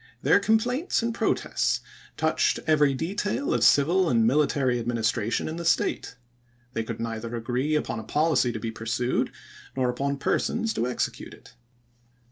Their complaints and protests touched every detail of civil and military adminis tration in the State. They could neither agree upon a policy to be pursued nor upon persons to execute it.